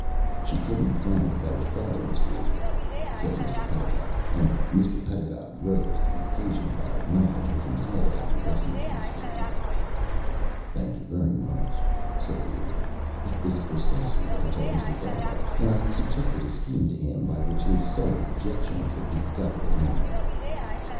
"She couldn't find a better fellow, Mr. Idiot," said Mrs. Pedagog, and Mr. Pedagog rose to the occasion by nodding his entire acquiescence in the statement. "Thank you very much," said the Idiot. "That was precisely what I told Mr. Barlow, and I suggested a scheme to him by which his sole objection could be got around."